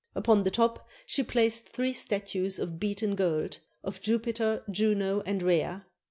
Upon the top she placed three statues of beaten gold, of Jupiter, Juno, and Rhea.